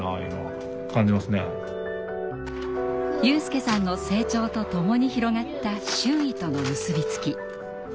友祐さんの成長とともに広がった周囲との結び付き。